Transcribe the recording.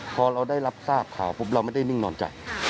พอเราได้รับทราบข่าวปุ๊บเราไม่ได้นิ่งนอนใจ